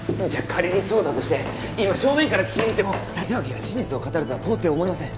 仮にそうだとして今正面から聞きに行っても立脇が真実を語るとは到底思えません